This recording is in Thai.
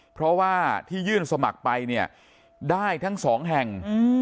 เพราะว่าที่ยื่นสมัครไปเนี่ยได้ทั้งสองแห่ง